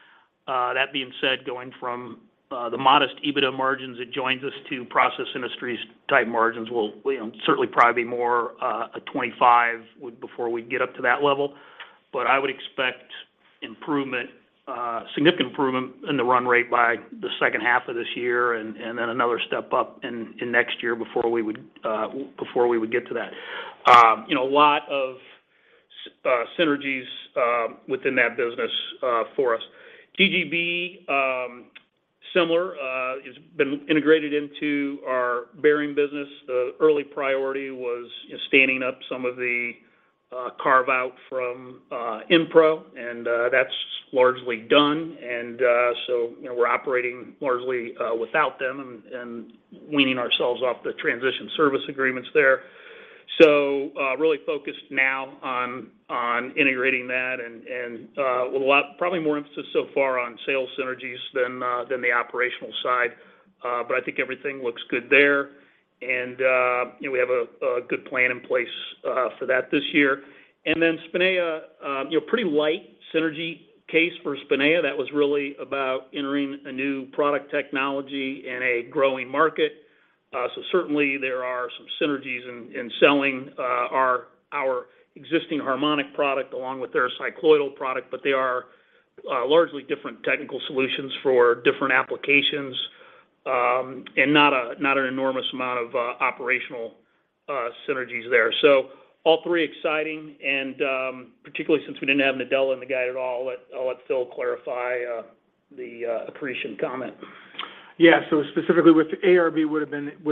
That being said, going from the modest EBITDA margins that joins us to Process Industries type margins will, you know, certainly probably be more a 25 before we get up to that level. I would expect improvement, significant improvement in the run rate by the second half of this year and then another step up in next year before we would get to that. you know, a lot of synergies within that business for us. GGB, similar, it's been integrated into our bearing business. The early priority was standing up some of the carve-out from Enpro, and that's largely done. So, you know, we're operating largely without them and weaning ourselves off the transition service agreements there. So, really focused now on integrating that and with a lot, probably more emphasis so far on sales synergies than the operational side. But I think everything looks good there. You know, we have a good plan in place for that this year. Then Spinea, you know, pretty light synergy case for Spinea. That was really about entering a new product technology in a growing market. Certainly there are some synergies in selling our existing harmonic product along with their cycloidal product, but they are largely different technical solutions for different applications, and not an enormous amount of operational synergies there. All three exciting, and particularly since we didn't have Nadella in the guide at all, I'll let Phil clarify the accretion comment. Yeah. Specifically with ARB would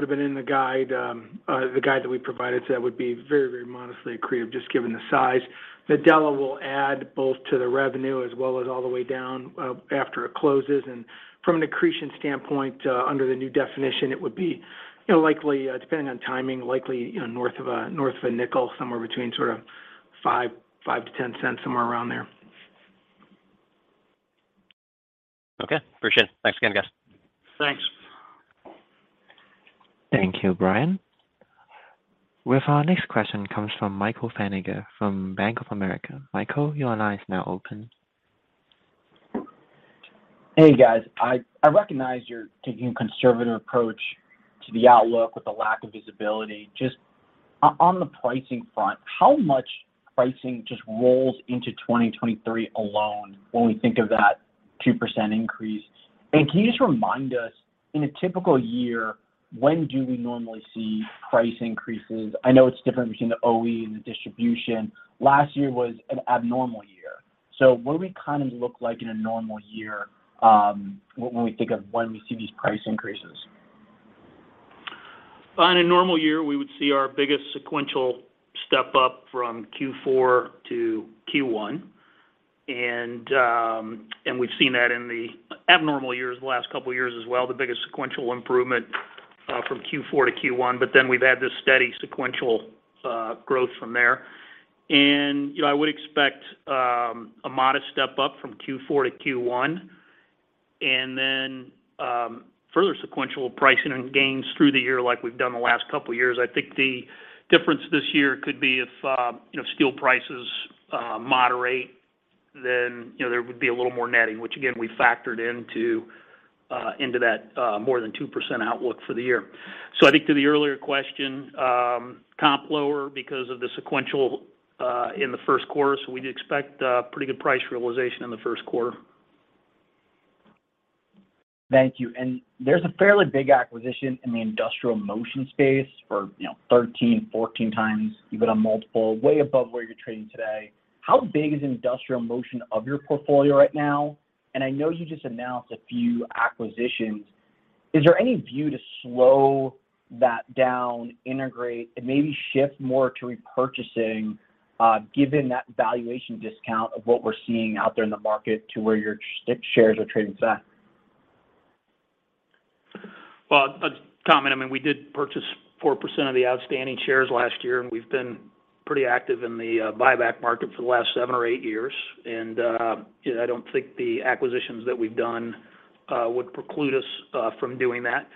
have been in the guide that we provided, so that would be very, very modestly accretive just given the size. Nadella will add both to the revenue as well as all the way down after it closes. From an accretion standpoint, under the new definition, it would be, you know, likely, depending on timing, likely, you know, north of $0.05, somewhere between sort of $0.05-$0.10, somewhere around there. Okay. Appreciate it. Thanks again, guys. Thanks. Thank you, Bryan. With our next question comes from Michael Feniger from Bank of America. Michael, your line is now open. Hey, guys. I recognize you're taking a conservative approach to the outlook with the lack of visibility. Just on the pricing front, how much pricing just rolls into 2023 alone when we think of that 2% increase? Can you just remind us, in a typical year, when do we normally see price increases? I know it's different between the OE and the distribution. Last year was an abnormal year. What do we look like in a normal year, when we think of when we see these price increases? On a normal year, we would see our biggest sequential step up from Q4 to Q1. We've seen that in the abnormal years, the last couple of years as well, the biggest sequential improvement from Q4 to Q1. We've had this steady sequential growth from there. You know, I would expect a modest step up from Q4 to Q1, and then further sequential pricing and gains through the year like we've done the last couple of years. I think the difference this year could be if, you know, steel prices moderate, then, you know, there would be a little more netting, which again, we factored into that more than 2% outlook for the year. I think to the earlier question, comp lower because of the sequential in the first quarter. We'd expect pretty good price realization in the first quarter. Thank you. There's a fairly big acquisition in the Industrial Motion space for, you know, 13, 14 times EBITDA multiple, way above where you're trading today. How big is Industrial Motion of your portfolio right now? I know you just announced a few acquisitions. Is there any view to slow that down, integrate, and maybe shift more to repurchasing, given that valuation discount of what we're seeing out there in the market to where your shares are trading at? Tom, I mean, we did purchase 4% of the outstanding shares last year. We've been pretty active in the buyback market for the last seven or eight years. You know, I don't think the acquisitions that we've done would preclude us from doing that.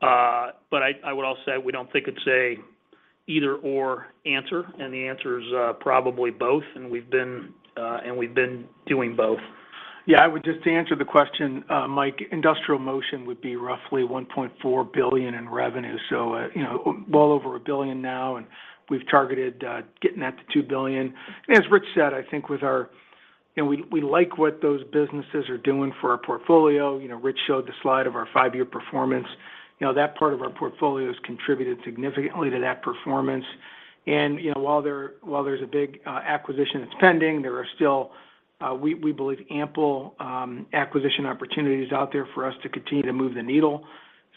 But I would also say we don't think it's a either/or answer. The answer is probably both. We've been doing both. Yeah, just to answer the question, Mike, Industrial Motion would be roughly $1.4 billion in revenue. You know, well over $1 billion now, and we've targeted getting that to $2 billion. As Rich said, I think with our. You know, we like what those businesses are doing for our portfolio. You know, Rich showed the slide of our five-year performance. You know, that part of our portfolio has contributed significantly to that performance. You know, while there, while there's a big acquisition that's pending, there are still, we believe, ample acquisition opportunities out there for us to continue to move the needle.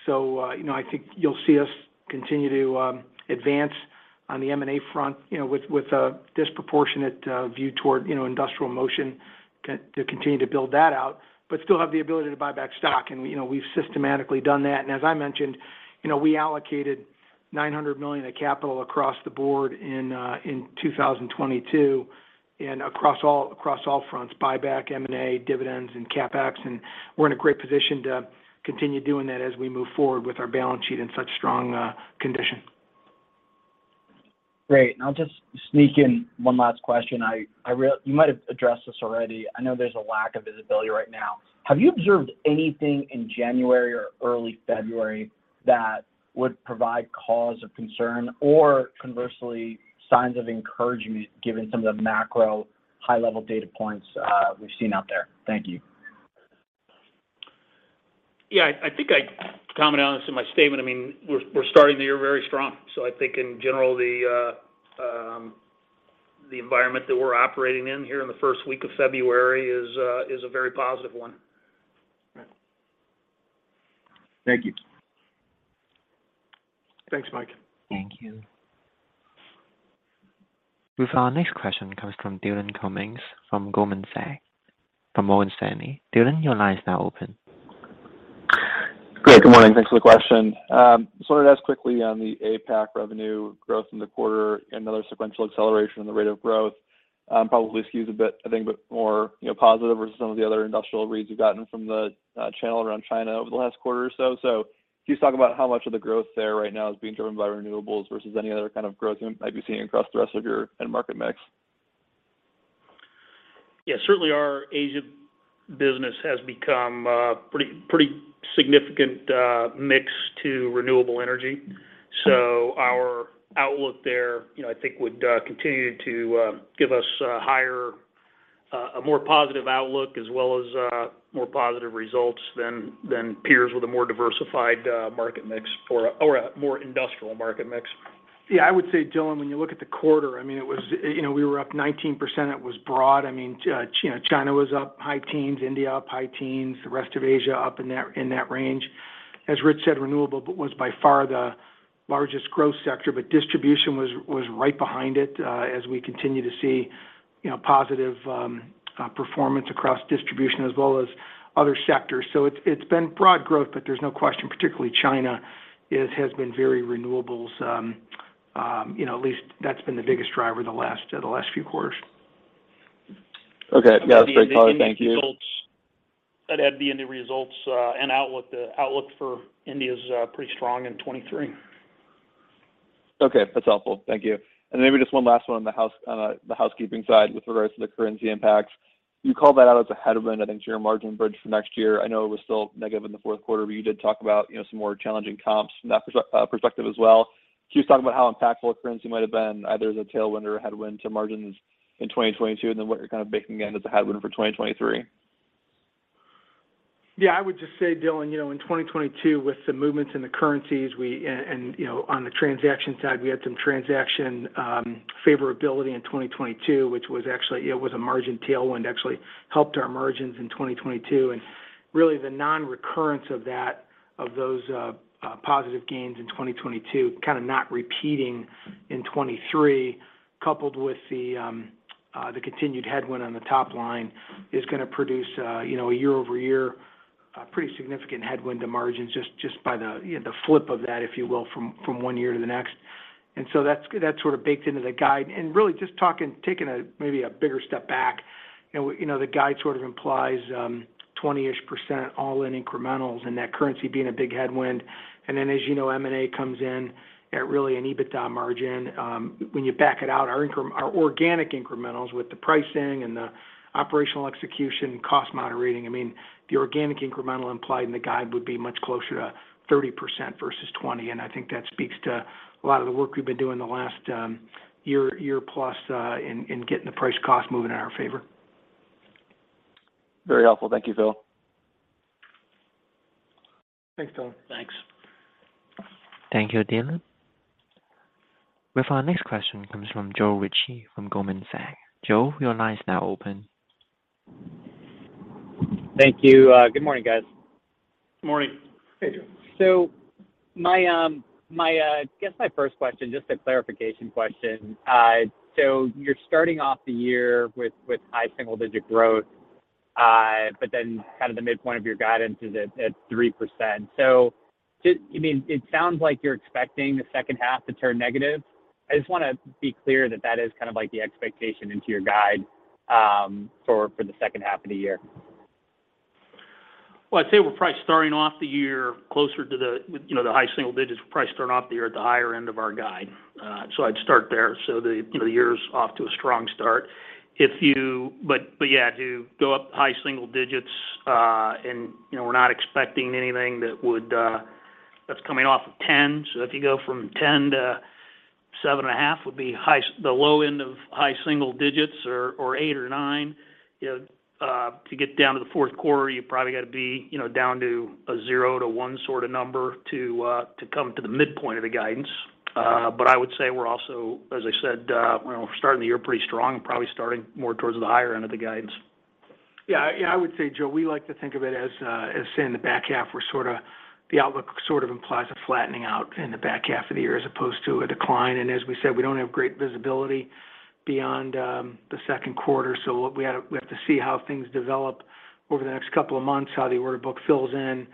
You know, I think you'll see us continue to advance on the M&A front, you know, with a disproportionate view toward, you know, Industrial Motion to continue to build that out, but still have the ability to buy back stock. You know, we've systematically done that. As I mentioned, you know, we allocated $900 million of capital across the board in 2022 and across all fronts, buyback, M&A, dividends, and CapEx, and we're in a great position to continue doing that as we move forward with our balance sheet in such strong condition. Great. I'll just sneak in one last question. You might have addressed this already. I know there's a lack of visibility right now. Have you observed anything in January or early February that would provide cause of concern, or conversely, signs of encouragement given some of the macro high-level data points we've seen out there? Thank you. Yeah. I think I commented on this in my statement. I mean, we're starting the year very strong. I think in general, the environment that we're operating in here in the first week of February is a very positive one. Right. Thank you. Thanks, Mike. Thank you. With our next question comes from Dylan Cummings from Goldman Sachs. Dylan, your line is now open. Great. Good morning. Thanks for the question. Just wanted to ask quickly on the APAC revenue growth in the quarter, another sequential acceleration in the rate of growth, probably skews a bit, I think, but more, you know, positive versus some of the other industrial reads we've gotten from the channel around China over the last quarter or so. Can you just talk about how much of the growth there right now is being driven by renewables versus any other kind of growth you might be seeing across the rest of your end market mix? Yeah. Certainly our Asia business has become pretty significant mix to renewable energy. Our outlook there, you know, I think would continue to give us a more positive outlook as well as more positive results than peers with a more diversified market mix or a more industrial market mix. Yeah, I would say, Dylan, when you look at the quarter, I mean, it was. You know, we were up 19%. It was broad. I mean, you know, China was up high teens, India up high teens, the rest of Asia up in that, in that range. As Rich said, renewable was by far the largest growth sector, but distribution was right behind it, as we continue to see, you know, positive performance across distribution as well as other sectors. It's been broad growth, but there's no question, particularly China, it has been very renewables. You know, at least that's been the biggest driver the last few quarters. Okay. Yeah. That's great color. Thank you. I'd add the India results, and outlook. The outlook for India is pretty strong in 2023. Okay. That's helpful. Thank you. Maybe just one last one on the housekeeping side with regards to the currency impacts. You called that out as a headwind, I think, to your margin bridge for next year. I know it was still negative in the fourth quarter, but you did talk about, you know, some more challenging comps from that perspective as well. Can you just talk about how impactful currency might have been either as a tailwind or a headwind to margins in 2022, and then what you're kind of baking in as a headwind for 2023? Yeah. I would just say, Dylan, you know, in 2022 with the movements in the currencies, we and, you know, on the transaction side, we had some transaction favorability in 2022, which was actually, you know, was a margin tailwind, actually helped our margins in 2022. Really the non-recurrence of that, of those positive gains in 2022 kind of not repeating in 2023, coupled with the continued headwind on the top line is going to produce, you know, a year-over-year pretty significant headwind to margins just by the, you know, the flip of that, if you will, from one year to the next. That's sort of baked into the guide. Really just talking, taking a, maybe a bigger step back, you know, you know, the guide sort of implies, 20%-ish all in incrementals and that currency being a big headwind. As you know, M&A comes in at really an EBITDA margin. When you back it out, our organic incrementals with the pricing and the operational execution, cost moderating, I mean, the organic incremental implied in the guide would be much closer to 30% versus 20, and I think that speaks to a lot of the work we've been doing the last year plus, in getting the price-cost moving in our favor. Very helpful. Thank you, Phil. Thanks, Dylan. Thanks. Thank you, Dylan. With our next question comes from Joe Ritchie from Goldman Sachs. Joe, your line is now open. Thank you. Good morning, guys. Good morning. Hey, Joe. My first question, just a clarification question. You're starting off the year with high single digit growth, but then kind of the midpoint of your guidance is at 3%. I mean, it sounds like you're expecting the second half to turn negative. I just wanna be clear that that is kind of like the expectation into your guide for the second half of the year. Well, I'd say we're probably starting off the year closer to the, you know, the high single digits. We're probably starting off the year at the higher end of our guide. I'd start there. The, you know, the year's off to a strong start. Yeah, to go up high single digits, and you know, we're not expecting anything that would, that's coming off of 10. If you go from 10 to 7.5 would be the low end of high single digits or eight or nine. You know, to get down to the fourth quarter, you probably gotta be, you know, down to a zero to one sort of number to come to the midpoint of the guidance. I would say we're also, as I said, you know, starting the year pretty strong and probably starting more towards the higher end of the guidance. Yeah. Yeah. I would say, Joe, we like to think of it as saying the back half, The outlook sort of implies a flattening out in the back half of the year as opposed to a decline. As we said, we don't have great visibility beyond the second quarter. We have to see how things develop over the next couple of months, how the order book fills in,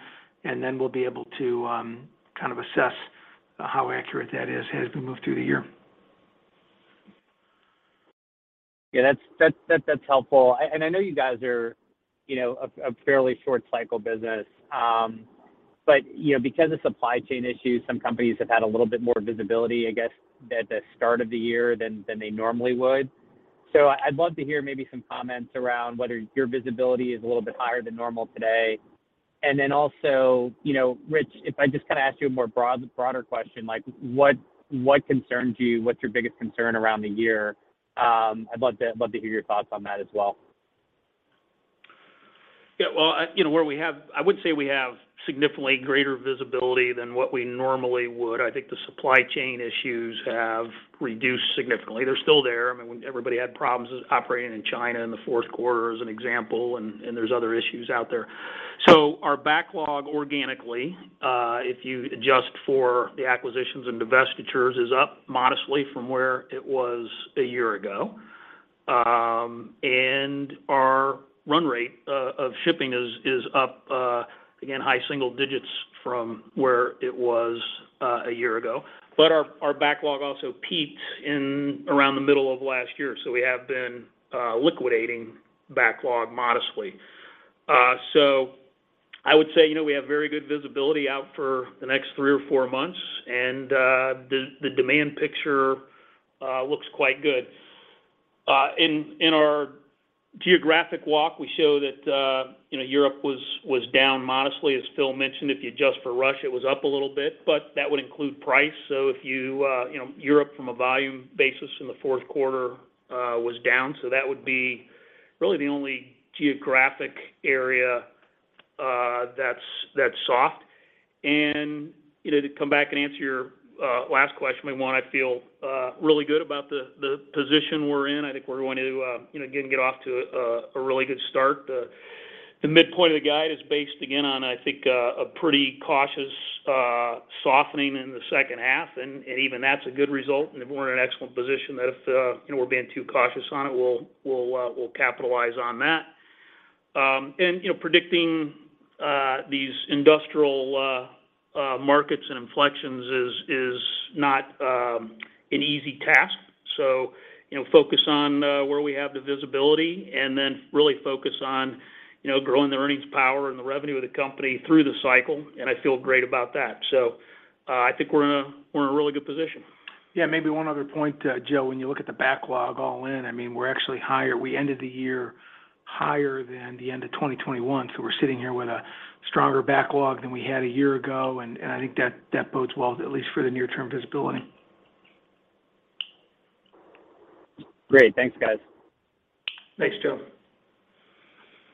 and then we'll be able to kind of assess how accurate that is as we move through the year. Yeah, that's helpful. I know you guys are, you know, a fairly short cycle business. But, you know, because of supply chain issues, some companies have had a little bit more visibility, I guess, at the start of the year than they normally would. I'd love to hear maybe some comments around whether your visibility is a little bit higher than normal today. Also, you know, Rich, if I just kinda ask you a broader question, like, what concerns you? What's your biggest concern around the year? I'd love to hear your thoughts on that as well. Yeah. Well, you know, where we have I would say we have significantly greater visibility than what we normally would. I think the supply chain issues have reduced significantly. They're still there. I mean, everybody had problems operating in China in the fourth quarter as an example, and there's other issues out there. Our backlog organically, if you adjust for the acquisitions and divestitures, is up modestly from where it was a year ago. And our run rate of shipping is up again, high single digits from where it was a year ago. Our backlog also peaked in around the middle of last year, so we have been liquidating backlog modestly. I would say, you know, we have very good visibility out for the next three or four months, and the demand picture looks quite good. In our geographic walk, we show that, you know, Europe was down modestly, as Phil mentioned. If you adjust for Russia, it was up a little bit, but that would include price. If you know, Europe from a volume basis in the fourth quarter was down, so that would be really the only geographic area that's soft. You know, to come back and answer your last question, we wanna feel really good about the position we're in. I think we're going to, you know, again, get off to a really good start. The midpoint of the guide is based again on, I think, a pretty cautious softening in the second half. Even that's a good result, and we're in an excellent position that if, you know, we're being too cautious on it, we'll capitalize on that. You know, predicting these industrial markets and inflections is not an easy task. You know, focus on where we have the visibility and then really focus on, you know, growing the earnings power and the revenue of the company through the cycle, and I feel great about that. I think we're in a really good position. Yeah. Maybe one other point, Joe. When you look at the backlog all in, I mean, we're actually higher. We ended the year higher than the end of 2021, so we're sitting here with a stronger backlog than we had a year ago. I think that bodes well at least for the near term visibility. Great. Thanks, guys. Thanks, Joe.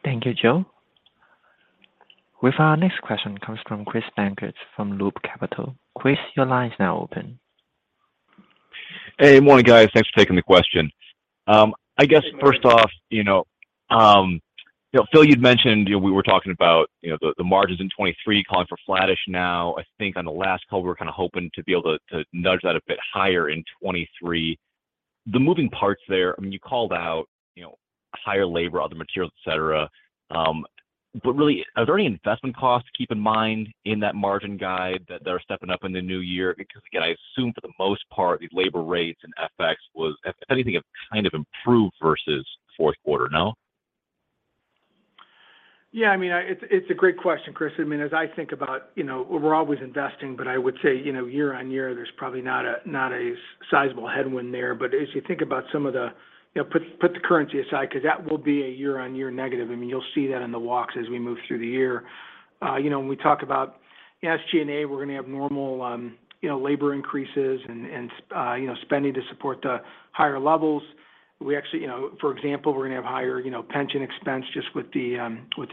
Thank you, Joe. With our next question comes from Chris Dankert from Loop Capital. Chris, your line is now open. Hey. Morning, guys. Thanks for taking the question. I guess first off, you know, Phil, you'd mentioned, we were talking about, you know, the margins in 23 calling for flattish now. I think on the last call, we were kinda hoping to be able to nudge that a bit higher in 23. The moving parts there, I mean, you called out, you know, higher labor, other materials, et cetera. Really, are there any investment costs to keep in mind in that margin guide that they're stepping up in the new year? Again, I assume for the most part, these labor rates and FX, if anything, have kind of improved versus fourth quarter, no? Yeah. I mean, it's a great question, Chris. I mean, as I think about, you know, we're always investing, but I would say, you know, year-over-year, there's probably not a sizable headwind there. As you think about some of the... You know, put the currency aside 'cause that will be a year-over-year negative. I mean, you'll see that in the walks as we move through the year. When we talk about SG&A, we're gonna have normal, you know, labor increases and, you know, spending to support the higher levels. We actually, for example, we're gonna have higher, you know, pension expense just with the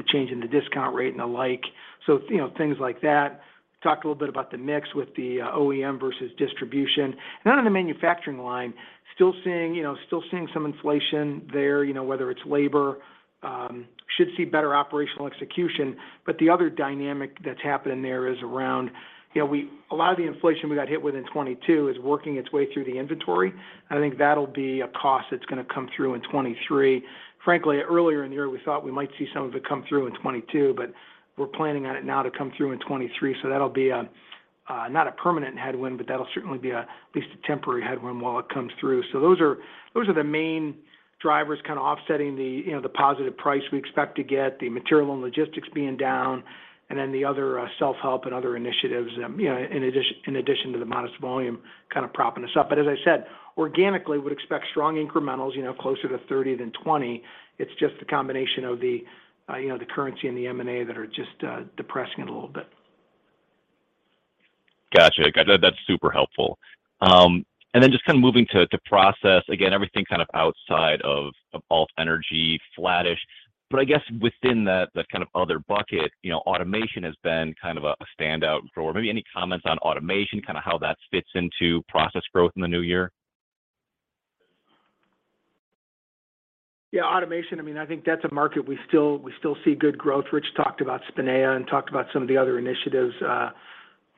change in the discount rate and the like. You know, things like that. Talked a little bit about the mix with the OEM versus distribution. On the manufacturing line, still seeing, you know, some inflation there, you know, whether it's labor. Should see better operational execution. The other dynamic that's happening there is around, you know, a lot of the inflation we got hit with in 2022 is working its way through the inventory. I think that'll be a cost that's gonna come through in 2023. Frankly, earlier in the year, we thought we might see some of it come through in 2022, but we're planning on it now to come through in 2023. That'll be a not a permanent headwind, but that'll certainly be at least a temporary headwind while it comes through. Those are, those are the main drivers kinda offsetting the, you know, the positive price we expect to get, the material and logistics being down, and then the other self-help and other initiatives, you know, in addition to the modest volume kinda propping us up. As I said, organically would expect strong incrementals, you know, closer to 30 than 20. It's just the combination of the, you know, the currency and the M&A that are just depressing it a little bit. Gotcha. That, that's super helpful. Then just kind of moving to Process. Again, everything kind of outside of alt energy flattish. I guess within that kind of other bucket, you know, automation has been kind of a standout for... Maybe any comments on automation, kind of how that fits into Process growth in the new year? Yeah. Automation, I mean, I think that's a market we still see good growth. Rich talked about Spinea and talked about some of the other initiatives,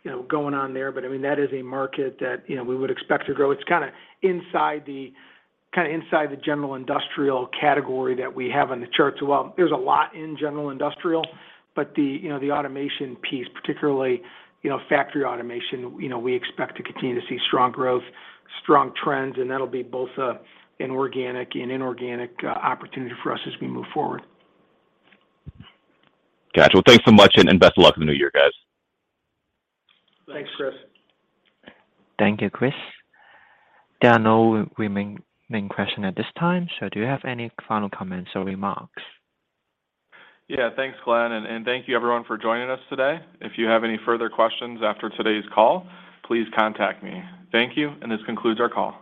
you know, going on there. I mean, that is a market that, you know, we would expect to grow. It's kind of inside the general industrial category that we have on the charts as well. There's a lot in general industrial, the, you know, the automation piece, particularly, you know, factory automation, you know, we expect to continue to see strong growth, strong trends, and that'll be both an organic and inorganic opportunity for us as we move forward. Gotcha. Well, thanks so much, and best of luck in the new year, guys. Thanks, Chris. Thank you, Chris. There are no remain question at this time. Do you have any final comments or remarks? Yeah. Thanks, Glenn, and thank you everyone for joining us today. If you have any further questions after today's call, please contact me. Thank you. This concludes our call.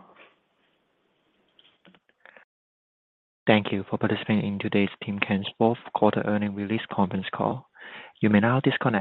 Thank you for participating in today's Timken's fourth quarter earnings release conference call. You may now disconnect.